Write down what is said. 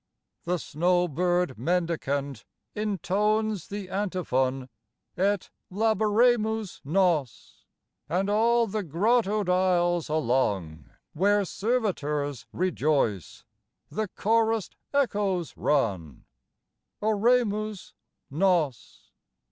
The snowbird mendicant Intones the antiphon Et laboremus nos; And all the grottoed aisles along, Where servitors rejoice, The chorused echoes run Oremus nos.